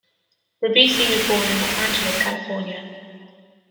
Ribisi was born in Los Angeles, California.